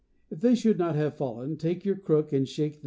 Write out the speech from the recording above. If they should not have fallen, take your crook and shake 3.